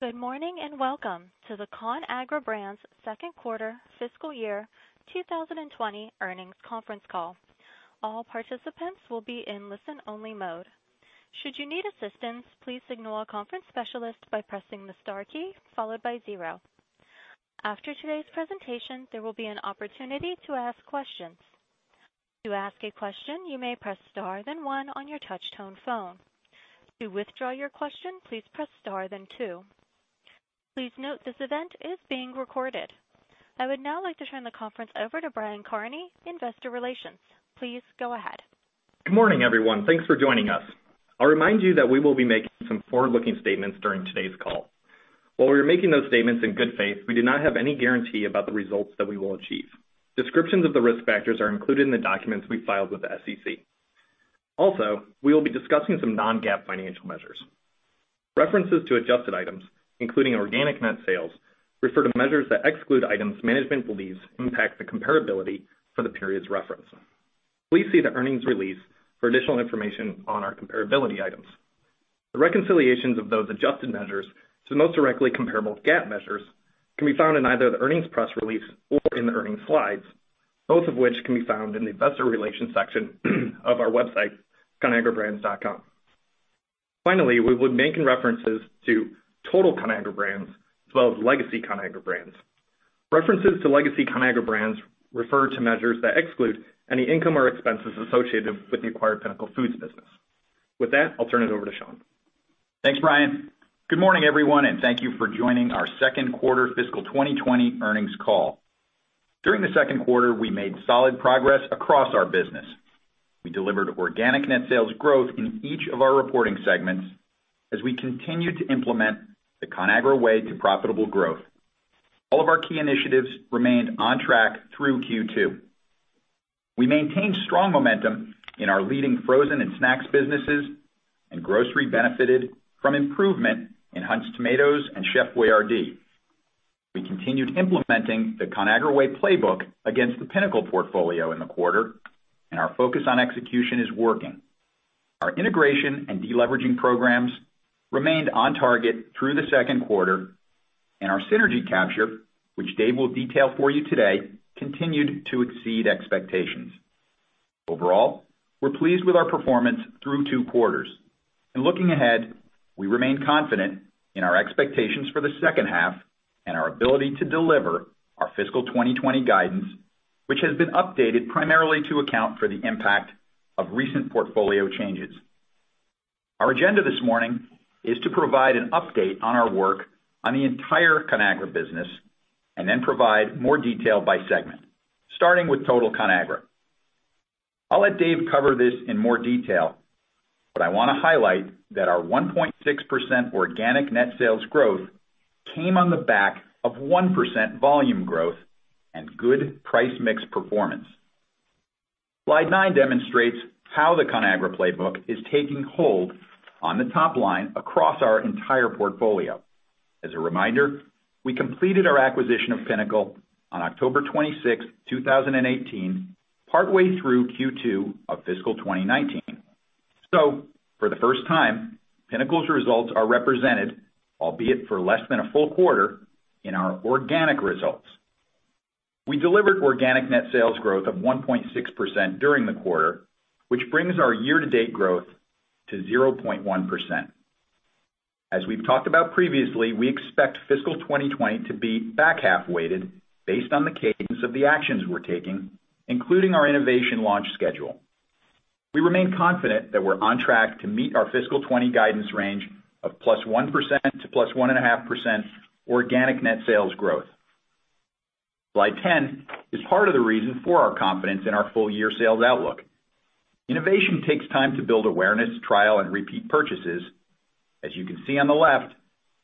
Good morning and welcome to the Conagra Brands Second Quarter Fiscal Year 2020 Earnings Conference Call. All participants will be in listen-only mode. Should you need assistance, please contact conference specialists by pressing the star key followed by zero. After today's presentation, there will be an opportunity to ask questions. To ask a question, you may press star then one on your touch-tone phone. To withdraw your question, please press star then two. Please note this event is being recorded. I would now like to turn the conference over to Brian Kearney, Investor Relations. Please go ahead. Good morning, everyone. Thanks for joining us. I'll remind you that we will be making some forward-looking statements during today's call. While we are making those statements in good faith, we do not have any guarantee about the results that we will achieve. Descriptions of the risk factors are included in the documents we filed with the SEC. Also, we will be discussing some non-GAAP financial measures. References to adjusted items, including organic net sales, refer to measures that exclude items management believes impact the comparability for the periods referenced. Please see the earnings release for additional information on our comparability items. The reconciliations of those adjusted measures to the most directly comparable GAAP measures can be found in either the earnings press release or in the earnings slides, both of which can be found in the investor relations section of our website, conagrabrands.com. Finally, we will be making references to Total Conagra Brands as well as Legacy Conagra Brands. References to Legacy Conagra Brands refer to measures that exclude any income or expenses associated with the acquired Pinnacle Foods business. With that, I'll turn it over to Sean. Thanks, Brian. Good morning, everyone, and thank you for joining our Second Quarter Fiscal 2020 Earnings Call. During the second quarter, we made solid progress across our business. We delivered organic net sales growth in each of our reporting segments as we continued to implement the Conagra Way to profitable growth. All of our key initiatives remained on track through Q2. We maintained strong momentum in our leading frozen and snacks businesses, and grocery benefited from improvement in Hunt's tomatoes and Chef Boyardee. We continued implementing the Conagra Way Playbook against the Pinnacle portfolio in the quarter, and our focus on execution is working. Our integration and deleveraging programs remained on target through the second quarter, and our synergy capture, which Dave will detail for you today, continued to exceed expectations. Overall, we're pleased with our performance through two quarters. In looking ahead, we remain confident in our expectations for the second half and our ability to deliver our fiscal 2020 guidance, which has been updated primarily to account for the impact of recent portfolio changes. Our agenda this morning is to provide an update on our work on the entire Conagra business and then provide more detail by segment, starting with total Conagra. I'll let Dave cover this in more detail, but I want to highlight that our 1.6% organic net sales growth came on the back of 1% volume growth and good price-mix performance. Slide 9 demonstrates how the Conagra Playbook is taking hold on the top line across our entire portfolio. As a reminder, we completed our acquisition of Pinnacle on October 26th, 2018, partway through Q2 of fiscal 2019. For the first time, Pinnacle's results are represented, albeit for less than a full quarter, in our organic results. We delivered organic net sales growth of 1.6% during the quarter, which brings our year-to-date growth to 0.1%. As we've talked about previously, we expect fiscal 2020 to be back half-weighted based on the cadence of the actions we're taking, including our innovation launch schedule. We remain confident that we're on track to meet our fiscal 2020 guidance range of +1% to +1.5% organic net sales growth. Slide 10 is part of the reason for our confidence in our full-year sales outlook. Innovation takes time to build awareness, trial, and repeat purchases. As you can see on the left,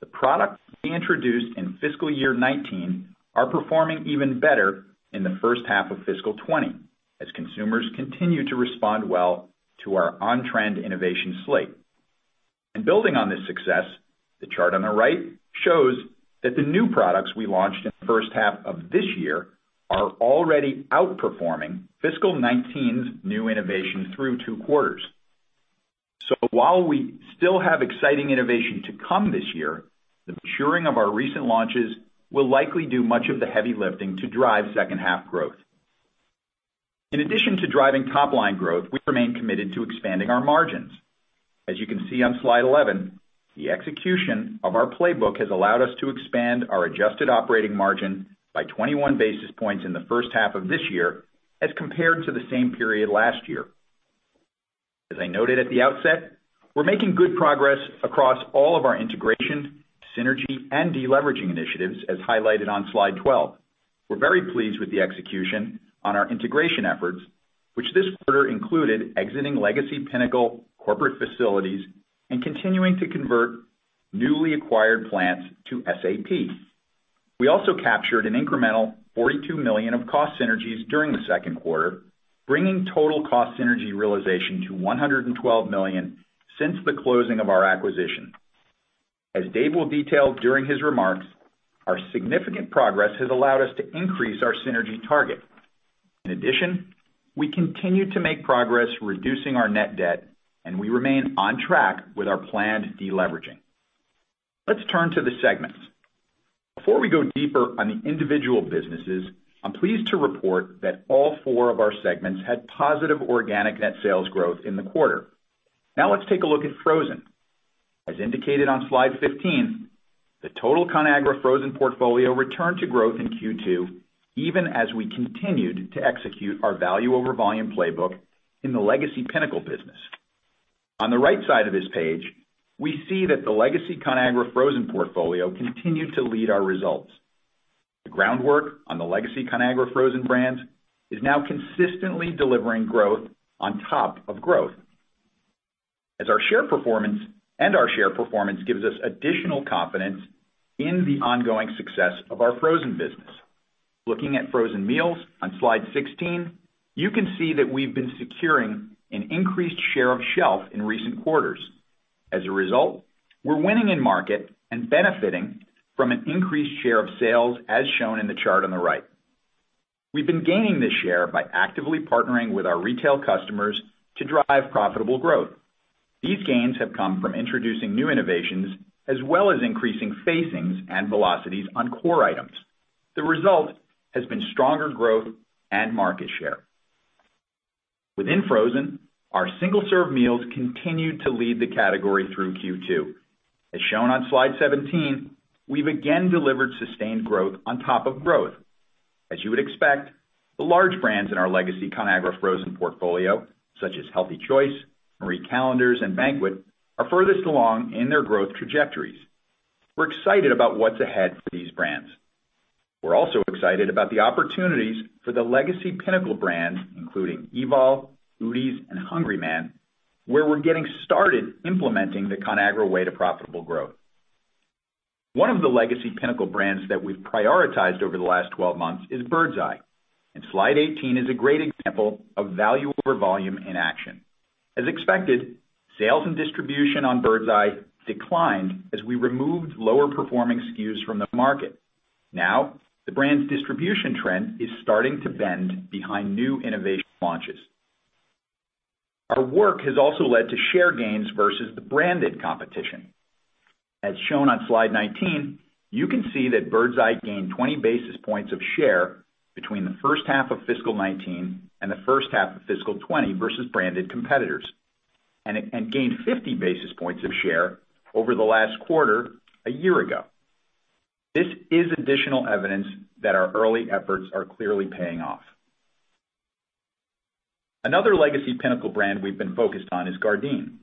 the products we introduced in fiscal year 2019 are performing even better in the first half of fiscal 2020 as consumers continue to respond well to our on-trend innovation slate. And building on this success, the chart on the right shows that the new products we launched in the first half of this year are already outperforming fiscal 2019's new innovation through two quarters. So, while we still have exciting innovation to come this year, the maturing of our recent launches will likely do much of the heavy lifting to drive second-half growth. In addition to driving top-line growth, we remain committed to expanding our margins. As you can see on slide 11, the execution of our playbook has allowed us to expand our adjusted operating margin by 21 basis points in the first half of this year as compared to the same period last year. As I noted at the outset, we're making good progress across all of our integration, synergy, and deleveraging initiatives as highlighted on slide 12. We're very pleased with the execution on our integration efforts, which this quarter included exiting Legacy Pinnacle corporate facilities and continuing to convert newly acquired plants to SAP. We also captured an incremental $42 million of cost synergies during the second quarter, bringing total cost synergy realization to $112 million since the closing of our acquisition. As Dave will detail during his remarks, our significant progress has allowed us to increase our synergy target. In addition, we continue to make progress reducing our net debt, and we remain on track with our planned deleveraging. Let's turn to the segments. Before we go deeper on the individual businesses, I'm pleased to report that all four of our segments had positive organic net sales growth in the quarter. Now, let's take a look at frozen. As indicated on slide 15, the total Conagra frozen portfolio returned to growth in Q2 even as we continued to execute our value over volume playbook in the Legacy Pinnacle business. On the right side of this page, we see that the Legacy Conagra frozen portfolio continued to lead our results. The groundwork on the Legacy Conagra frozen brands is now consistently delivering growth on top of growth, as our share performance gives us additional confidence in the ongoing success of our frozen business. Looking at frozen meals on slide 16, you can see that we've been securing an increased share of shelf in recent quarters. As a result, we're winning in market and benefiting from an increased share of sales as shown in the chart on the right. We've been gaining this share by actively partnering with our retail customers to drive profitable growth. These gains have come from introducing new innovations as well as increasing facings and velocities on core items. The result has been stronger growth and market share. Within frozen, our single-serve meals continued to lead the category through Q2. As shown on slide 17, we've again delivered sustained growth on top of growth. As you would expect, the large brands in our Legacy Conagra frozen portfolio, such as Healthy Choice, Marie Callender's, and Banquet, are furthest along in their growth trajectories. We're excited about what's ahead for these brands. We're also excited about the opportunities for the Legacy Pinnacle brands, including Evol, Udi's, and Hungry-Man, where we're getting started implementing the Conagra Way to profitable growth. One of the Legacy Pinnacle brands that we've prioritized over the last 12 months is Birds Eye, and slide 18 is a great example of value over volume in action. As expected, sales and distribution on Birds Eye declined as we removed lower-performing SKUs from the market. Now, the brand's distribution trend is starting to bend behind new innovation launches. Our work has also led to share gains versus the branded competition. As shown on slide 19, you can see that Birds Eye gained 20 basis points of share between the first half of fiscal 2019 and the first half of fiscal 2020 versus branded competitors, and gained 50 basis points of share over the last quarter a year ago. This is additional evidence that our early efforts are clearly paying off. Another Legacy Pinnacle brand we've been focused on is Gardein.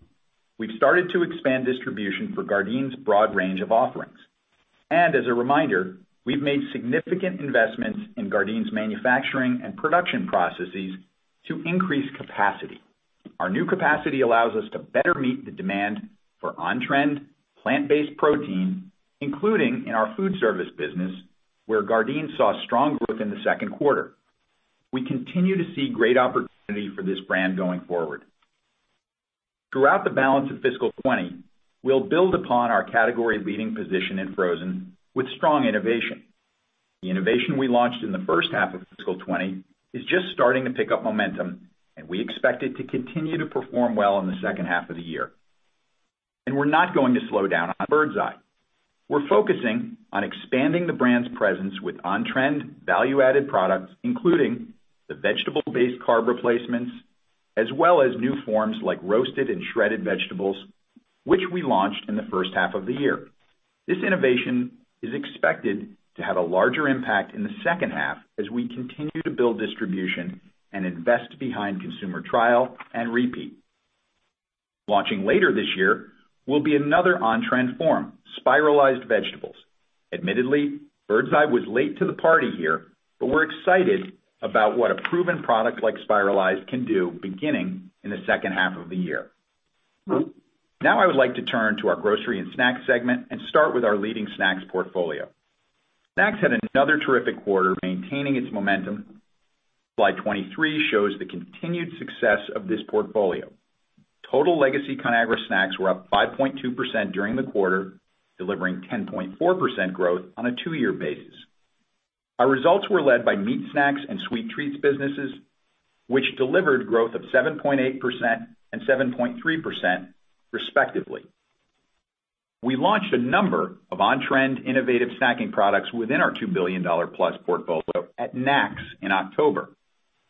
We've started to expand distribution for Gardein's broad range of offerings. And as a reminder, we've made significant investments in Gardein's manufacturing and production processes to increase capacity. Our new capacity allows us to better meet the demand for on-trend, plant-based protein, including in our Foodservice business, where Gardein saw strong growth in the second quarter. We continue to see great opportunity for this brand going forward. Throughout the balance of fiscal 2020, we'll build upon our category-leading position in frozen with strong innovation. The innovation we launched in the first half of fiscal 2020 is just starting to pick up momentum, and we expect it to continue to perform well in the second half of the year. We're not going to slow down on Birds Eye. We're focusing on expanding the brand's presence with on-trend, value-added products, including the vegetable-based carb replacements, as well as new forms like roasted and shredded vegetables, which we launched in the first half of the year. This innovation is expected to have a larger impact in the second half as we continue to build distribution and invest behind consumer trial and repeat. Launching later this year will be another on-trend form, spiralized vegetables. Admittedly, Birds Eye was late to the party here, but we're excited about what a proven product like Spiralized can do beginning in the second half of the year. Now, I would like to turn to our Grocery & Snacks segment and start with our leading snacks portfolio. Snacks had another terrific quarter, maintaining its momentum. Slide 23 shows the continued success of this portfolio. Total Legacy Conagra snacks were up 5.2% during the quarter, delivering 10.4% growth on a two-year basis. Our results were led by meat snacks and sweet treats businesses, which delivered growth of 7.8% and 7.3%, respectively. We launched a number of on-trend, innovative snacking products within our $2 billion-plus portfolio at NACS in October.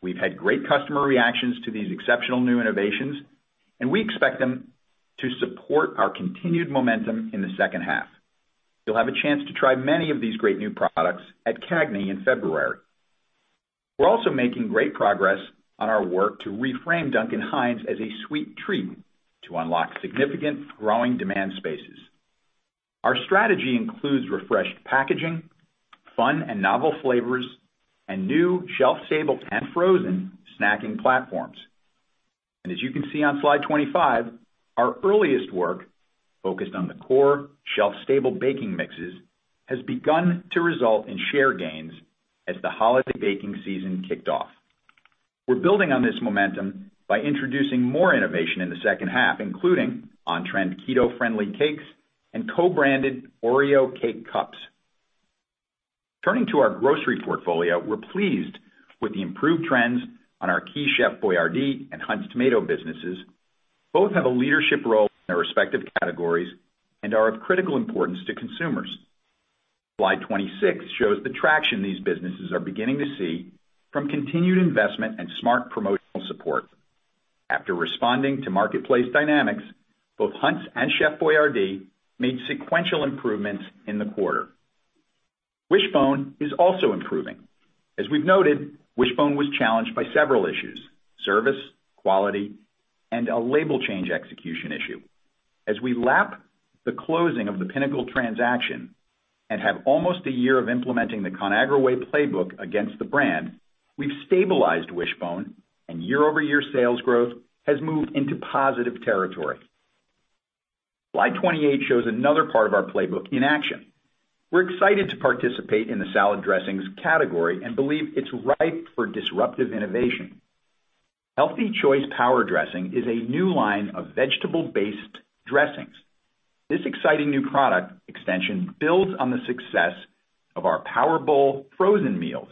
We've had great customer reactions to these exceptional new innovations, and we expect them to support our continued momentum in the second half. You'll have a chance to try many of these great new products at CAGNY in February. We're also making great progress on our work to reframe Duncan Hines as a sweet treat to unlock significant growing demand spaces. Our strategy includes refreshed packaging, fun and novel flavors, and new shelf-stable and frozen snacking platforms. As you can see on slide 25, our earliest work focused on the core shelf-stable baking mixes has begun to result in share gains as the holiday baking season kicked off. We're building on this momentum by introducing more innovation in the second half, including on-trend keto-friendly cakes and co-branded Oreo Cake Cups. Turning to our grocery portfolio, we're pleased with the improved trends on our key Chef Boyardee and Hunt's tomato businesses. Both have a leadership role in their respective categories and are of critical importance to consumers. Slide 26 shows the traction these businesses are beginning to see from continued investment and smart promotional support. After responding to marketplace dynamics, both Hunt's and Chef Boyardee made sequential improvements in the quarter. Wish-Bone is also improving. As we've noted, Wish-Bone was challenged by several issues: service, quality, and a label change execution issue. As we lap the closing of the Pinnacle transaction and have almost a year of implementing the Conagra Way Playbook against the brand, we've stabilized Wish-Bone, and year-over-year sales growth has moved into positive territory. Slide 28 shows another part of our playbook in action. We're excited to participate in the salad dressings category and believe it's ripe for disruptive innovation. Healthy Choice Power Dressing is a new line of vegetable-based dressings. This exciting new product extension builds on the success of our Power Bowls frozen meals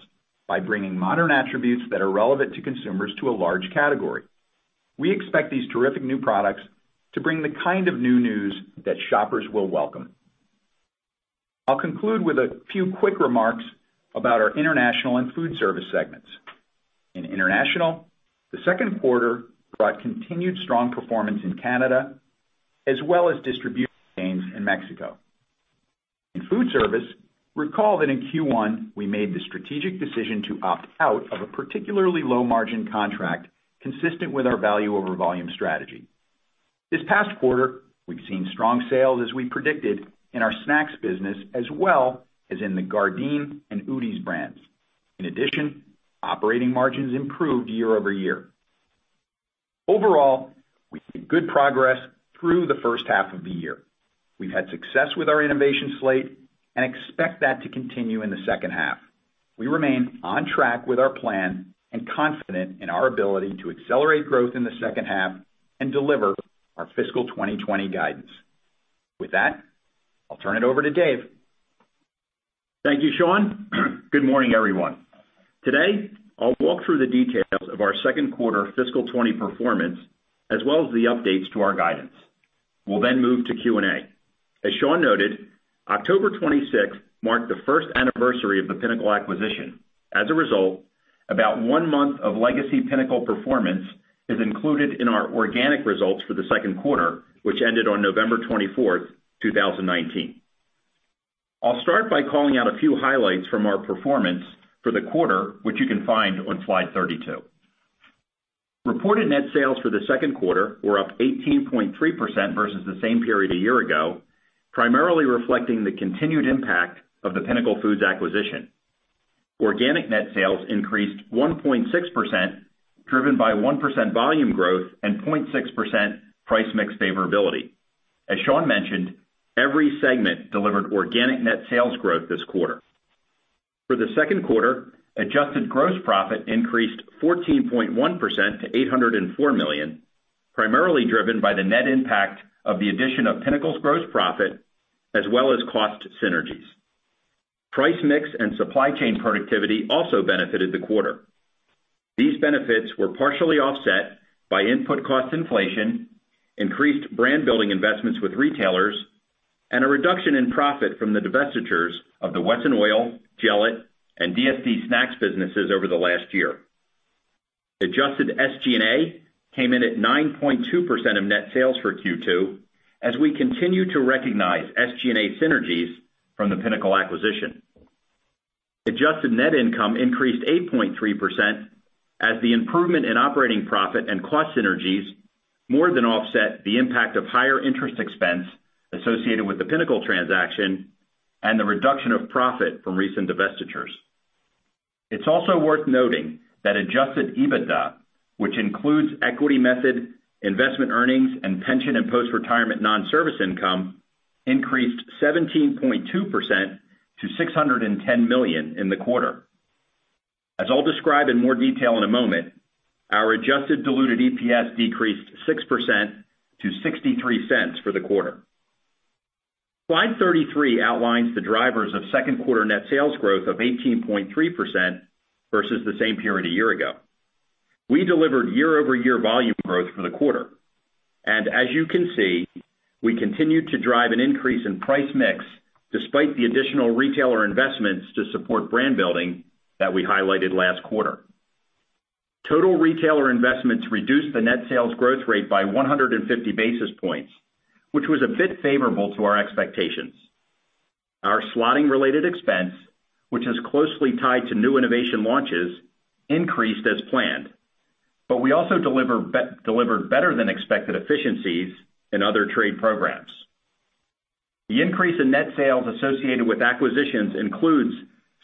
by bringing modern attributes that are relevant to consumers to a large category. We expect these terrific new products to bring the kind of new news that shoppers will welcome. I'll conclude with a few quick remarks about our International and Foodservice segments. In International, the second quarter brought continued strong performance in Canada as well as distribution gains in Mexico. In Foodservice, recall that in Q1, we made the strategic decision to opt out of a particularly low-margin contract consistent with our value over volume strategy. This past quarter, we've seen strong sales as we predicted in our snacks business as well as in the Gardein and Udi's brands. In addition, operating margins improved year-over-year. Overall, we've made good progress through the first half of the year. We've had success with our innovation slate and expect that to continue in the second half. We remain on track with our plan and confident in our ability to accelerate growth in the second half and deliver our fiscal 2020 guidance. With that, I'll turn it over to Dave. Thank you, Sean. Good morning, everyone. Today, I'll walk through the details of our second quarter fiscal 2020 performance as well as the updates to our guidance. We'll then move to Q&A. As Sean noted, October 26th marked the first anniversary of the Pinnacle Foods acquisition. As a result, about one month of Legacy Pinnacle performance is included in our organic results for the second quarter, which ended on November 24th, 2019. I'll start by calling out a few highlights from our performance for the quarter, which you can find on slide 32. Reported net sales for the second quarter were up 18.3% versus the same period a year ago, primarily reflecting the continued impact of the Pinnacle Foods acquisition. Organic net sales increased 1.6%, driven by 1% volume growth and 0.6% price mix favorability. As Sean mentioned, every segment delivered organic net sales growth this quarter. For the second quarter, adjusted gross profit increased 14.1% to $804 million, primarily driven by the net impact of the addition of Pinnacle's gross profit as well as cost synergies. Price mix and supply chain productivity also benefited the quarter. These benefits were partially offset by input cost inflation, increased brand-building investments with retailers, and a reduction in profit from the divestitures of the Wesson Oil, Gelit, and DSD Snacks businesses over the last year. Adjusted SG&A came in at 9.2% of net sales for Q2 as we continue to recognize SG&A synergies from the Pinnacle acquisition. Adjusted net income increased 8.3% as the improvement in operating profit and cost synergies more than offset the impact of higher interest expense associated with the Pinnacle transaction and the reduction of profit from recent divestitures. It's also worth noting that adjusted EBITDA, which includes equity method, investment earnings, and pension and post-retirement non-service income, increased 17.2% to $610 million in the quarter. As I'll describe in more detail in a moment, our Adjusted Diluted EPS decreased 6% to $0.63 for the quarter. Slide 33 outlines the drivers of second quarter net sales growth of 18.3% versus the same period a year ago. We delivered year-over-year volume growth for the quarter. And as you can see, we continued to drive an increase in price mix despite the additional retailer investments to support brand building that we highlighted last quarter. Total retailer investments reduced the net sales growth rate by 150 basis points, which was a bit favorable to our expectations. Our slotting-related expense, which is closely tied to new innovation launches, increased as planned, but we also delivered better-than-expected efficiencies in other trade programs. The increase in net sales associated with acquisitions includes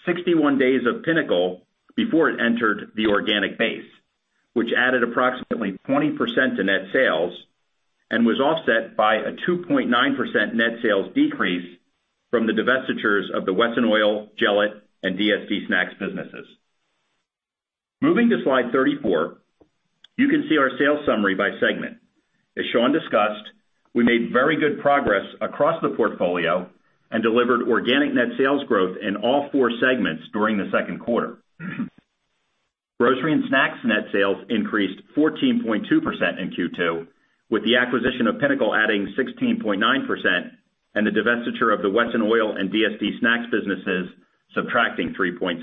61 days of Pinnacle before it entered the organic base, which added approximately 20% to net sales and was offset by a 2.9% net sales decrease from the divestitures of the Wesson Oil, Gelit, and DSD Snacks businesses. Moving to slide 34, you can see our sales summary by segment. As Sean discussed, we made very good progress across the portfolio and delivered organic net sales growth in all four segments during the second quarter. Grocery & Snacks net sales increased 14.2% in Q2, with the acquisition of Pinnacle adding 16.9% and the divestiture of the Wesson Oil and DSD Snacks businesses subtracting 3.6%.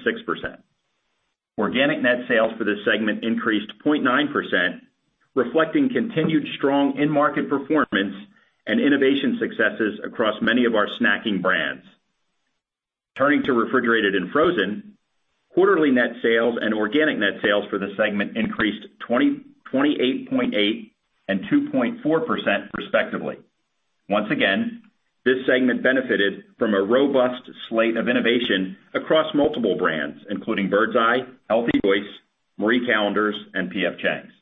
Organic net sales for this segment increased 0.9%, reflecting continued strong in-market performance and innovation successes across many of our snacking brands. Turning to Refrigerated & Frozen, quarterly net sales and organic net sales for the segment increased 28.8% and 2.4%, respectively. Once again, this segment benefited from a robust slate of innovation across multiple brands, including Birds Eye, Healthy Choice, Marie Callender's, and P.F. Chang's.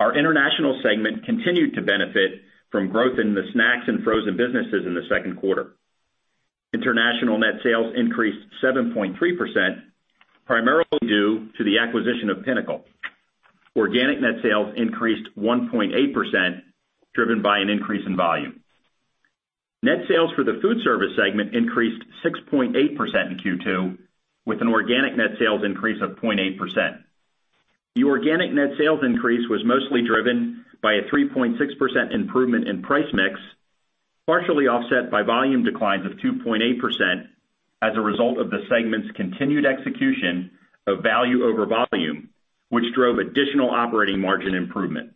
Our International segment continued to benefit from growth in the snacks and frozen businesses in the second quarter. International net sales increased 7.3%, primarily due to the acquisition of Pinnacle. Organic net sales increased 1.8%, driven by an increase in volume. Net sales for the food service segment increased 6.8% in Q2, with an organic net sales increase of 0.8%. The organic net sales increase was mostly driven by a 3.6% improvement in price mix, partially offset by volume declines of 2.8% as a result of the segment's continued execution of value over volume, which drove additional operating margin improvement.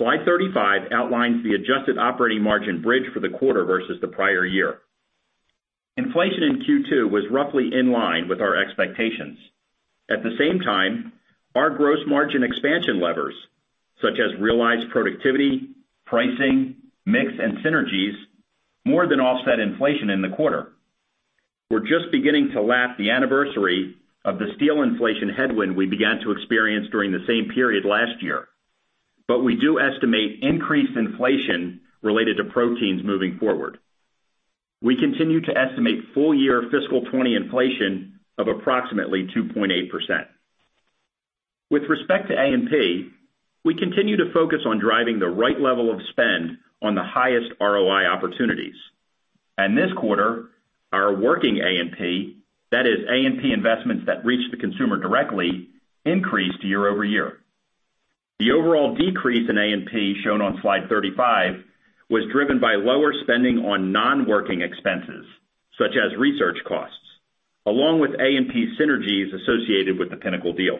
Slide 35 outlines the adjusted operating margin bridge for the quarter versus the prior year. Inflation in Q2 was roughly in line with our expectations. At the same time, our gross margin expansion levers, such as realized productivity, pricing, mix, and synergies, more than offset inflation in the quarter. We're just beginning to lap the anniversary of the steel inflation headwind we began to experience during the same period last year, but we do estimate increased inflation related to proteins moving forward. We continue to estimate full-year fiscal 2020 inflation of approximately 2.8%. With respect to A&P, we continue to focus on driving the right level of spend on the highest ROI opportunities, and this quarter, our working A&P, that is, A&P investments that reach the consumer directly, increased year-over-year. The overall decrease in A&P shown on slide 35 was driven by lower spending on non-working expenses, such as research costs, along with A&P synergies associated with the Pinnacle deal.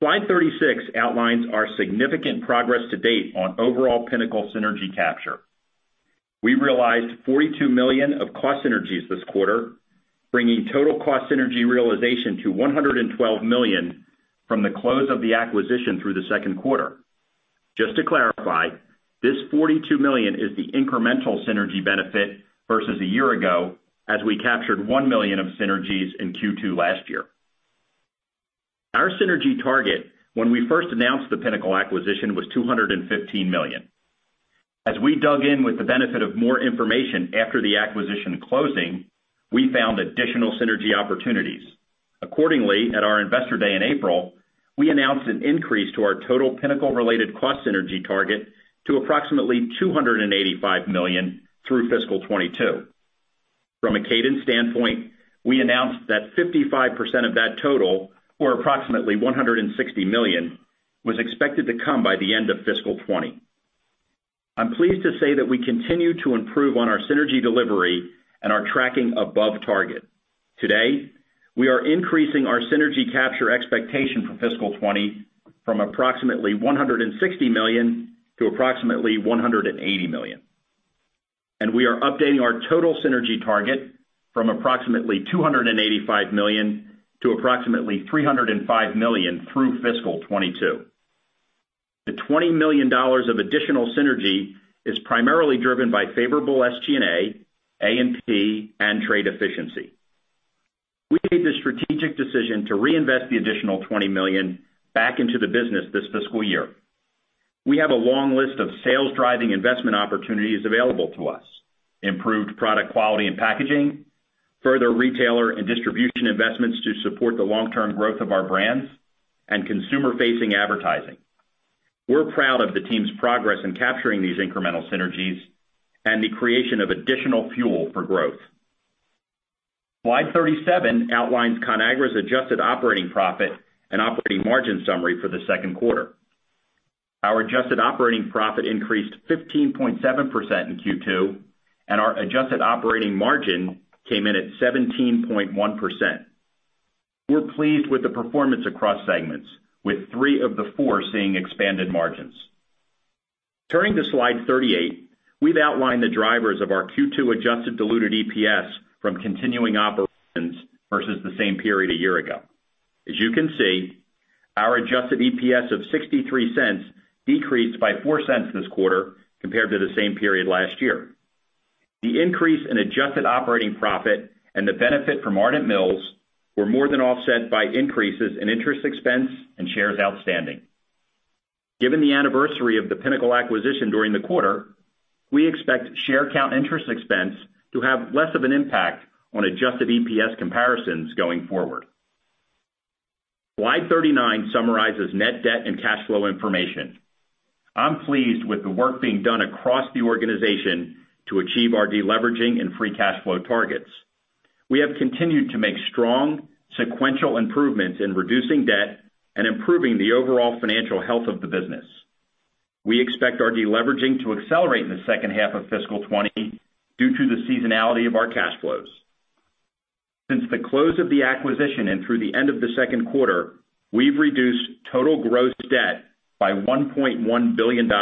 Slide 36 outlines our significant progress to date on overall Pinnacle synergy capture. We realized $42 million of cost synergies this quarter, bringing total cost synergy realization to $112 million from the close of the acquisition through the second quarter. Just to clarify, this $42 million is the incremental synergy benefit versus a year ago as we captured $1 million of synergies in Q2 last year. Our synergy target when we first announced the Pinnacle acquisition was $215 million. As we dug in with the benefit of more information after the acquisition closing, we found additional synergy opportunities. Accordingly, at our Investor Day in April, we announced an increase to our total Pinnacle-related cost synergy target to approximately $285 million through fiscal 2022. From a cadence standpoint, we announced that 55% of that total, or approximately $160 million, was expected to come by the end of fiscal 2020. I'm pleased to say that we continue to improve on our synergy delivery and are tracking above target. Today, we are increasing our synergy capture expectation for fiscal 2020 from approximately $160 million to approximately $180 million. We are updating our total synergy target from approximately $285 million to approximately $305 million through fiscal 2022. The $20 million of additional synergy is primarily driven by favorable SG&A, A&P, and trade efficiency. We made the strategic decision to reinvest the additional $20 million back into the business this fiscal year. We have a long list of sales driving investment opportunities available to us. Improved product quality and packaging, further retailer and distribution investments to support the long-term growth of our brands, and consumer facing advertising. We're proud of the team's progress in capturing these incremental synergies and the creation of additional fuel for growth. Slide 37 outlines Conagra's adjusted operating profit and operating margin summary for the second quarter. Our adjusted operating profit increased 15.7% in Q2, and our adjusted operating margin came in at 17.1%. We're pleased with the performance across segments, with three of the four seeing expanded margins. Turning to slide 38, we've outlined the drivers of our Q2 adjusted diluted EPS from continuing operations versus the same period a year ago. As you can see, our adjusted EPS of $0.63 decreased by $0.04 this quarter compared to the same period last year. The increase in adjusted operating profit and the benefit from Ardent Mills were more than offset by increases in interest expense and shares outstanding. Given the anniversary of the Pinnacle acquisition during the quarter, we expect share count interest expense to have less of an impact on adjusted EPS comparisons going forward. Slide 39 summarizes net debt and cash flow information. I'm pleased with the work being done across the organization to achieve our deleveraging and free cash flow targets. We have continued to make strong sequential improvements in reducing debt and improving the overall financial health of the business. We expect our deleveraging to accelerate in the second half of fiscal 2020 due to the seasonality of our cash flows. Since the close of the acquisition and through the end of the second quarter, we've reduced total gross debt by $1.1 billion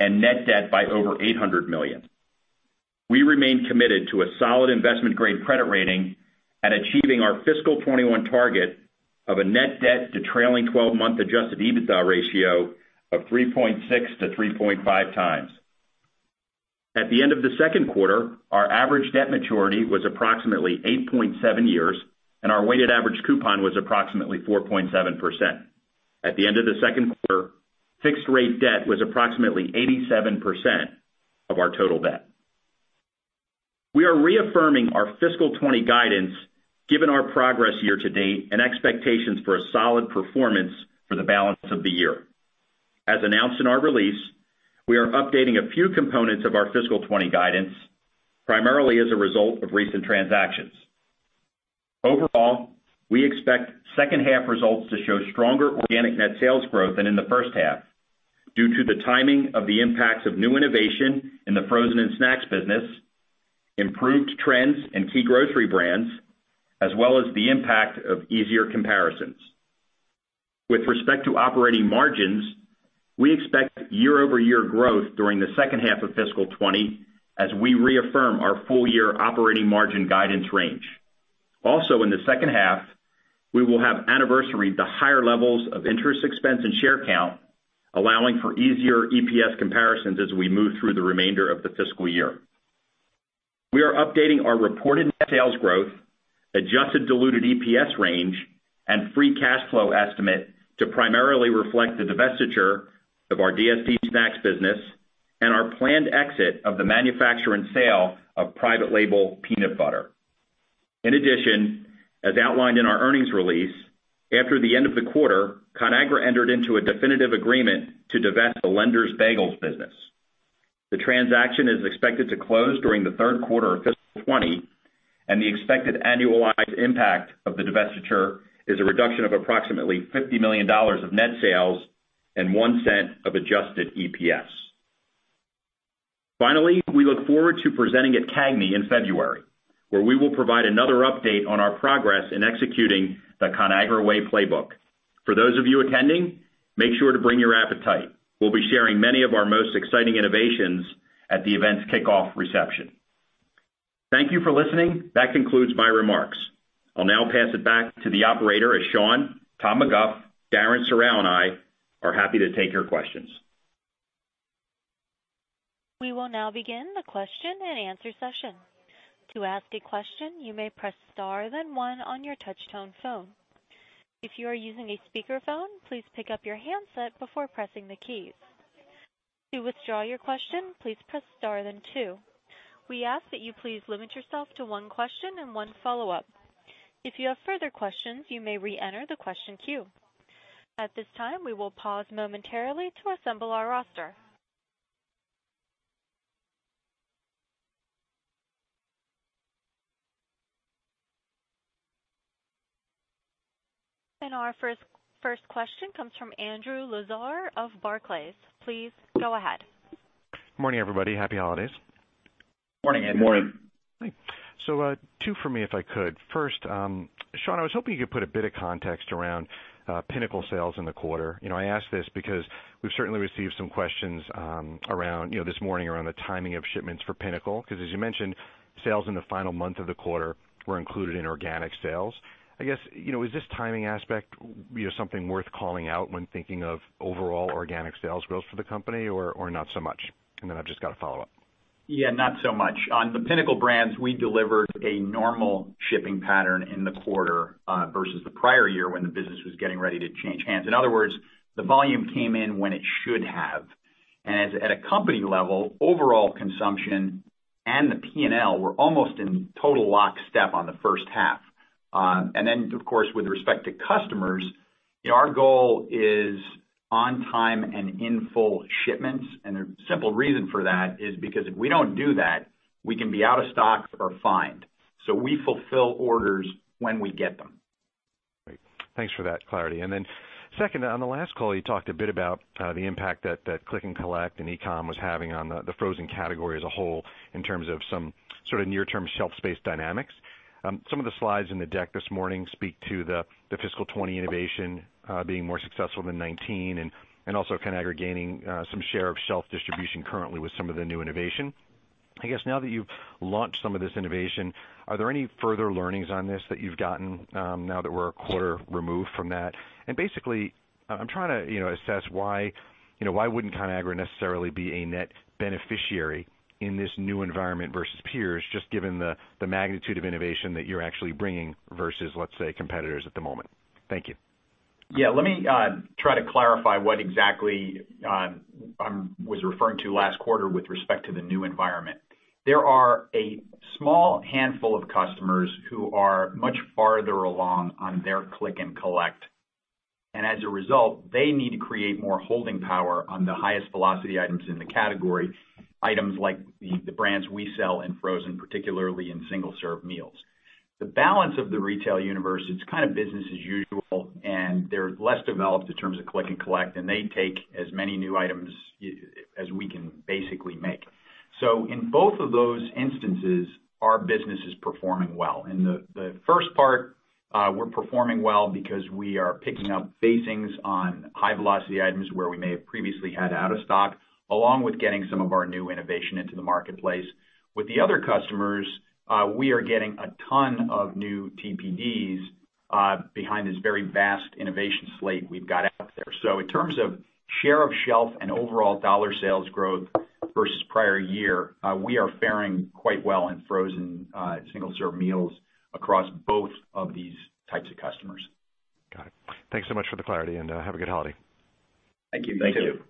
and net debt by over $800 million. We remain committed to a solid investment-grade credit rating and achieving our fiscal 2021 target of a net debt to trailing 12-month Adjusted EBITDA ratio of 3.6-3.5x. At the end of the second quarter, our average debt maturity was approximately 8.7 years, and our weighted average coupon was approximately 4.7%. At the end of the second quarter, fixed-rate debt was approximately 87% of our total debt. We are reaffirming our fiscal 2020 guidance given our progress year-to-date and expectations for a solid performance for the balance of the year. As announced in our release, we are updating a few components of our fiscal 2020 guidance, primarily as a result of recent transactions. Overall, we expect second-half results to show stronger organic net sales growth than in the first half due to the timing of the impacts of new innovation in the frozen and snacks business, improved trends in key grocery brands, as well as the impact of easier comparisons. With respect to operating margins, we expect year-over-year growth during the second half of fiscal 2020 as we reaffirm our full-year operating margin guidance range. Also, in the second half, we will have anniversary-to-higher levels of interest expense and share count, allowing for easier EPS comparisons as we move through the remainder of the fiscal year. We are updating our reported net sales growth, adjusted diluted EPS range, and free cash flow estimate to primarily reflect the divestiture of our DSD Snacks business and our planned exit of the manufacture and sale of private label peanut butter. In addition, as outlined in our earnings release, after the end of the quarter, Conagra entered into a definitive agreement to divest the Lender's Bagels business. The transaction is expected to close during the third quarter of fiscal 2020, and the expected annualized impact of the divestiture is a reduction of approximately $50 million of net sales and $0.01 of adjusted EPS. Finally, we look forward to presenting at CAGNY in February, where we will provide another update on our progress in executing the Conagra Way Playbook. For those of you attending, make sure to bring your appetite. We'll be sharing many of our most exciting innovations at the event's kickoff reception. Thank you for listening. That concludes my remarks. I'll now pass it back to the operator, as Sean, Tom McGough, Darren Serrao, and I are happy to take your questions. We will now begin the question-and-answer session. To ask a question, you may press star then one on your touch-tone phone. If you are using a speakerphone, please pick up your handset before pressing the keys. To withdraw your question, please press star then two. We ask that you please limit yourself to one question and one follow-up. If you have further questions, you may re-enter the question queue. At this time, we will pause momentarily to assemble our roster. And our first question comes from Andrew Lazar of Barclays. Please go ahead. Morning, everybody. Happy holidays. Morning, Andrew. Morning So, two for me if I could. First, Sean, I was hoping you could put a bit of context around Pinnacle sales in the quarter. I ask this because we've certainly received some questions around this morning around the timing of shipments for Pinnacle because, as you mentioned, sales in the final month of the quarter were included in organic sales. I guess, is this timing aspect something worth calling out when thinking of overall organic sales growth for the company or not so much? And then I've just got a follow-up. Yeah, not so much. On the Pinnacle brands, we delivered a normal shipping pattern in the quarter versus the prior year when the business was getting ready to change hands. In other words, the volume came in when it should have. And at a company level, overall consumption and the P&L were almost in total lock step on the first half. And then, of course, with respect to customers, our goal is on-time and in-full shipments. And the simple reason for that is because if we don't do that, we can be out of stock or fined. So we fulfill orders when we get them. Great. Thanks for that clarity. And then second, on the last call, you talked a bit about the impact that click-and-collect and e-comm was having on the frozen category as a whole in terms of some sort of near-term shelf space dynamics. Some of the slides in the deck this morning speak to the fiscal 2020 innovation being more successful than 2019 and also Conagra gaining some share of shelf distribution currently with some of the new innovation. I guess now that you've launched some of this innovation, are there any further learnings on this that you've gotten now that we're a quarter removed from that? And basically, I'm trying to assess why wouldn't Conagra necessarily be a net beneficiary in this new environment versus peers, just given the magnitude of innovation that you're actually bringing versus, let's say, competitors at the moment? Thank you. Yeah. Let me try to clarify what exactly I was referring to last quarter with respect to the new environment. There are a small handful of customers who are much farther along on their click-and-collect. And as a result, they need to create more holding power on the highest velocity items in the category, items like the brands we sell in frozen, particularly in single-serve meals. The balance of the retail universe, it's kind of business as usual, and they're less developed in terms of click-and-collect, and they take as many new items as we can basically make. So in both of those instances, our business is performing well. In the first part, we're performing well because we are picking up facings on high-velocity items where we may have previously had out of stock, along with getting some of our new innovation into the marketplace. With the other customers, we are getting a ton of new TPDs behind this very vast innovation slate we've got out there. So in terms of share of shelf and overall dollar sales growth versus prior year, we are faring quite well in frozen single-serve meals across both of these types of customers. Got it. Thanks so much for the clarity, and have a good holiday. Thank you. Thank you.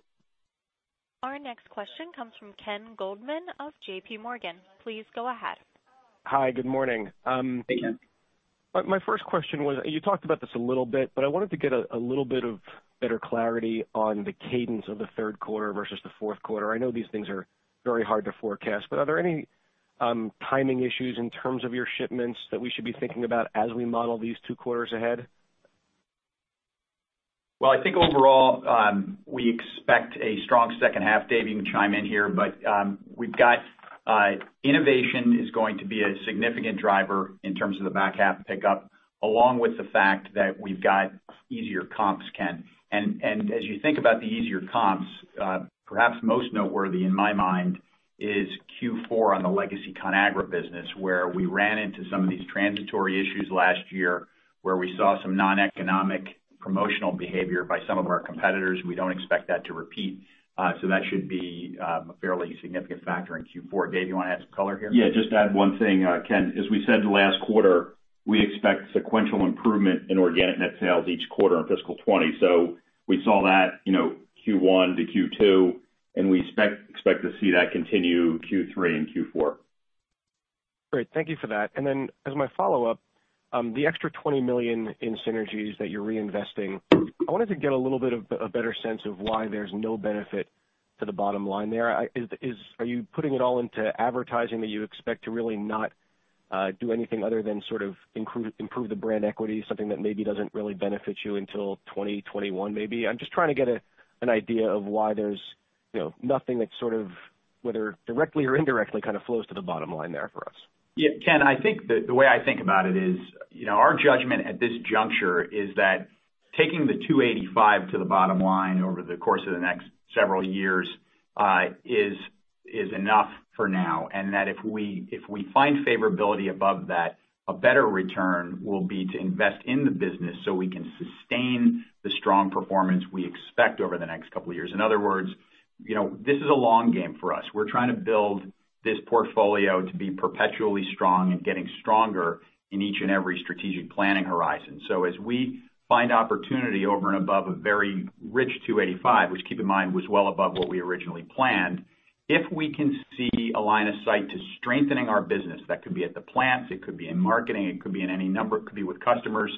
Our next question comes from Ken Goldman of JPMorgan. Please go ahead. Hi. Good morning. Hey, Ken. My first question was, you talked about this a little bit, but I wanted to get a little bit of better clarity on the cadence of the third quarter versus the fourth quarter. I know these things are very hard to forecast, but are there any timing issues in terms of your shipments that we should be thinking about as we model these two quarters ahead? Well, I think overall, we expect a strong second half. Dave, you can chime in here, but innovation is going to be a significant driver in terms of the back half pickup, along with the fact that we've got easier comps, Ken. And as you think about the easier comps, perhaps most noteworthy in my mind is Q4 on the Legacy Conagra business, where we ran into some of these transitory issues last year, where we saw some non-economic promotional behavior by some of our competitors. We don't expect that to repeat. So that should be a fairly significant factor in Q4. Dave, you want to add some color here? Yeah. Just to add one thing, Ken, as we said last quarter, we expect sequential improvement in organic net sales each quarter in fiscal 2020. So we saw that Q1 to Q2, and we expect to see that continue Q3 and Q4. Great! Thank you for that, and then as my follow-up, the extra $20 million in synergies that you're reinvesting, I wanted to get a little bit of a better sense of why there's no benefit to the bottom line there. Are you putting it all into advertising that you expect to really not do anything other than sort of improve the brand equity, something that maybe doesn't really benefit you until 2021 maybe? I'm just trying to get an idea of why there's nothing that sort of, whether directly or indirectly, kind of flows to the bottom line there for us. Yeah. Ken, I think the way I think about it is our judgment at this juncture is that taking the $285 million to the bottom line over the course of the next several years is enough for now, and that if we find favorability above that, a better return will be to invest in the business so we can sustain the strong performance we expect over the next couple of years. In other words, this is a long game for us. We're trying to build this portfolio to be perpetually strong and getting stronger in each and every strategic planning horizon. So as we find opportunity over and above a very rich $285 million, which keep in mind was well above what we originally planned, if we can see a line of sight to strengthening our business, that could be at the plants, it could be in marketing, it could be in any number, it could be with customers,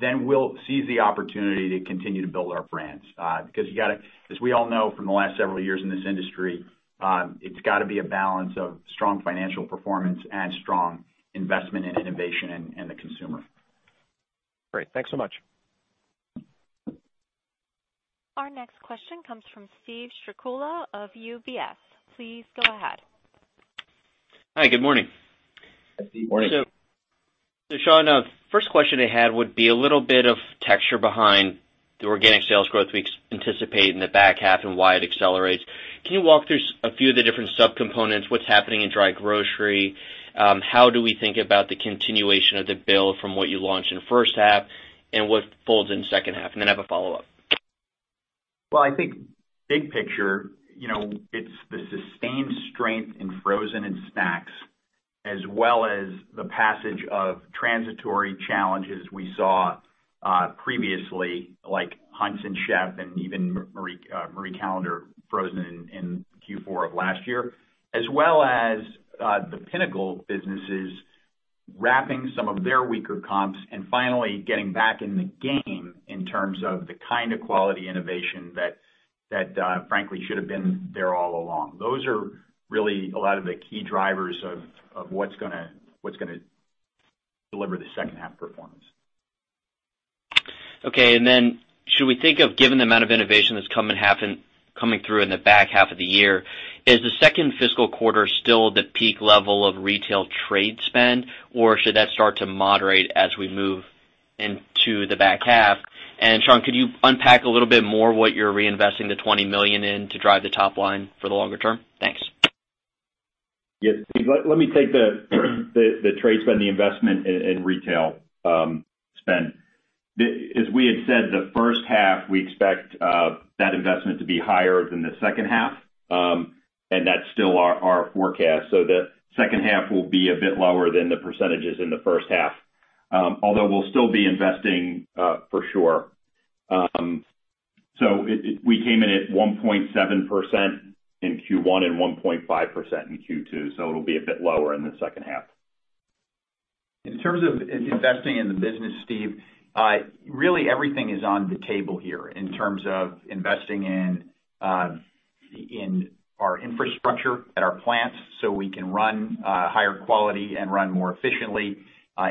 then we'll seize the opportunity to continue to build our brands. Because as we all know from the last several years in this industry, it's got to be a balance of strong financial performance and strong investment in innovation and the consumer. Great. Thanks so much. Our next question comes from Steve Strycula of UBS. Please go ahead. Hi. Good morning. Good morning. Sean, first question I had would be a little bit of texture behind the organic sales growth we anticipate in the back half and why it accelerates. Can you walk through a few of the different subcomponents, what's happening in dry grocery, how do we think about the continuation of the build from what you launched in first half, and what folds in second half? And then I have a follow-up. Well, I think big picture, it's the sustained strength in frozen and snacks, as well as the passage of transitory challenges we saw previously, like Hunt's and Chef and even Marie Callender's frozen in Q4 of last year, as well as the Pinnacle businesses wrapping some of their weaker comps and finally getting back in the game in terms of the kind of quality innovation that, frankly, should have been there all along. Those are really a lot of the key drivers of what's going to deliver the second-half performance. Okay. And then should we think of, given the amount of innovation that's coming through in the back half of the year, is the second fiscal quarter still the peak level of retail trade spend, or should that start to moderate as we move into the back half? And Sean, could you unpack a little bit more what you're reinvesting the $20 million in to drive the top line for the longer term? Thanks. Yes. Let me take the trade spend, the investment in retail spend. As we had said, the first half, we expect that investment to be higher than the second half, and that's still our forecast. So the second half will be a bit lower than the percentages in the first half, although we'll still be investing for sure. So we came in at 1.7% in Q1 and 1.5% in Q2, so it'll be a bit lower in the second half. In terms of investing in the business, Steve, really everything is on the table here in terms of investing in our infrastructure at our plants so we can run higher quality and run more efficiently.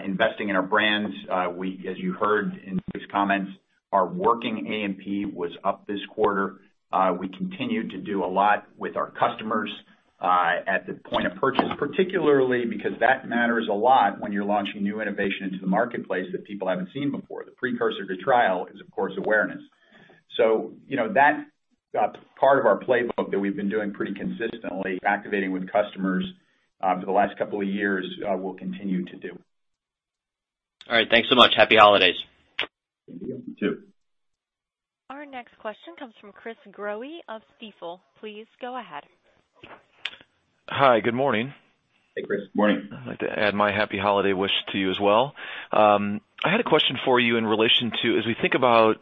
Investing in our brands, as you heard in these comments, our working A&P was up this quarter. We continue to do a lot with our customers at the point of purchase, particularly because that matters a lot when you're launching new innovation into the marketplace that people haven't seen before. The precursor to trial is, of course, awareness. So that part of our playbook that we've been doing pretty consistently, activating with customers for the last couple of years, we'll continue to do. All right. Thanks so much. Happy holidays. You too. Our next question comes from Chris Growe of Stifel. Please go ahead. Hi. Good morning. Hey, Chris. Good morning. I'd like to add my happy holiday wish to you as well. I had a question for you in relation to, as we think about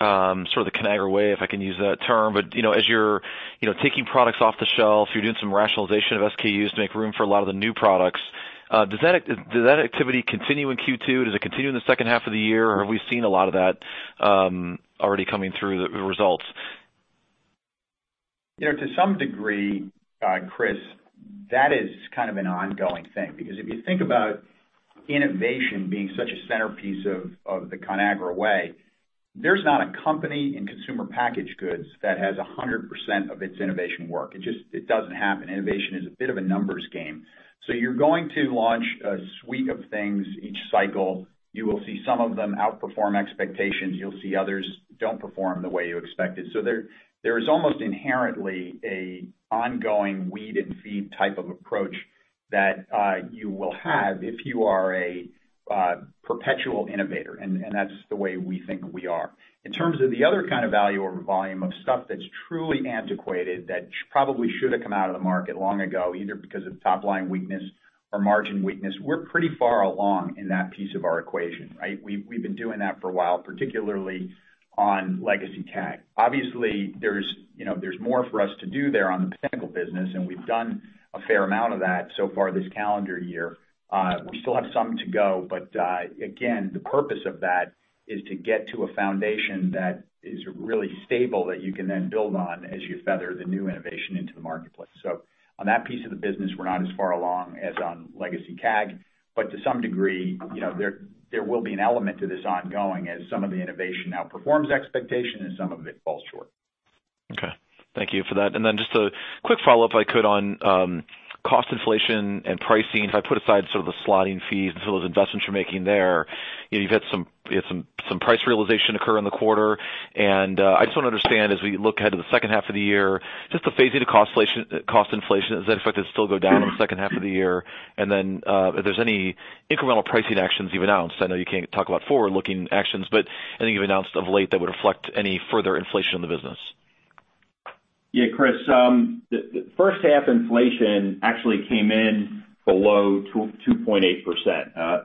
sort of the Conagra way, if I can use that term, but as you're taking products off the shelf, you're doing some rationalization of SKUs to make room for a lot of the new products. Does that activity continue in Q2? Does it continue in the second half of the year? Or have we seen a lot of that already coming through the results? To some degree, Chris, that is kind of an ongoing thing. Because if you think about innovation being such a centerpiece of the Conagra way, there's not a company in consumer packaged goods that has 100% of its innovation work. It doesn't happen. Innovation is a bit of a numbers game. So you're going to launch a suite of things each cycle. You will see some of them outperform expectations. You'll see others don't perform the way you expected. So there is almost inherently an ongoing weed and feed type of approach that you will have if you are a perpetual innovator, and that's the way we think we are. In terms of the other kind of value or volume of stuff that's truly antiquated that probably should have come out of the market long ago, either because of top-line weakness or margin weakness, we're pretty far along in that piece of our equation, right? We've been doing that for a while, particularly on Legacy Conagra. Obviously, there's more for us to do there on the Pinnacle business, and we've done a fair amount of that so far this calendar year. We still have some to go, but again, the purpose of that is to get to a foundation that is really stable that you can then build on as you feather the new innovation into the marketplace. So on that piece of the business, we're not as far along as on Legacy Conagra, but to some degree, there will be an element to this ongoing as some of the innovation outperforms expectation and some of it falls short. Okay. Thank you for that. And then just a quick follow-up if I could on cost inflation and pricing. If I put aside sort of the slotting fees and some of those investments you're making there, you've had some price realization occur in the quarter. And I just want to understand, as we look ahead to the second half of the year, just the phasing of cost inflation. Does that affect it to still go down in the second half of the year? And then if there's any incremental pricing actions you've announced, I know you can't talk about forward-looking actions, but anything you've announced of late that would reflect any further inflation in the business? Yeah, Chris. The first half inflation actually came in below 2.8%.